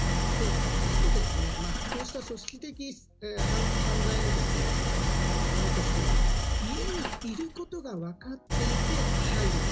あと、こうした組織的犯罪のものとしては家にいることが分かっていて入ると。